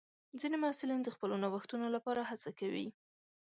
ځینې محصلین د خپلو نوښتونو لپاره هڅه کوي.